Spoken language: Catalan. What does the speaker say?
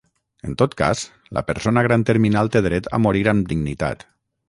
En tot cas, la persona gran terminal té dret a morir amb dignitat.